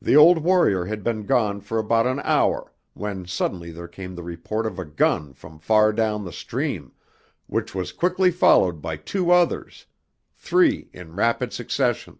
The old warrior had been gone for about an hour when suddenly there came the report of a gun from far down the stream, which was quickly followed by two others three in rapid succession.